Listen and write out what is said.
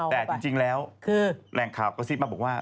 แต่จริงแล้วแหล่งข่าวกระซิบมาบอกว่า